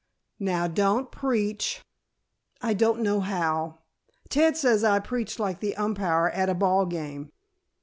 "Now, don't preach." "I don't know how. Ted says I preach like the umpire at a ball game."